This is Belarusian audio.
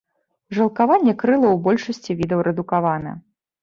Жылкаванне крылаў у большасці відаў рэдукавана.